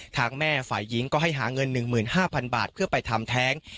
ทางแม่ฝ่ายหญิงก็ให้หาเงิน๑๕๐๐๐บาทเพื่อไปทำแท้ง